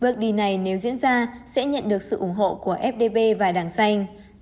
bước đi này nếu diễn ra sẽ nhận được sự ủng hộ của fd và đảng xanh